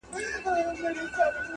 له تېروتنو څخه زده کړه وکړه.